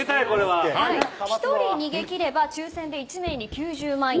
１人逃げ切れば抽選で１名に９０万円。